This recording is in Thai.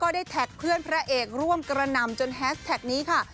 ได้แท็กเพื่อนพระเอกร่วมกระนำจนแฮสแท็กนี้ค่ะ